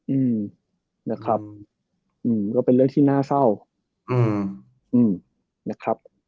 อืมนะครับก็เป็นเรื่องที่น่าเศร้า